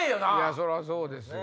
そりゃそうですよ。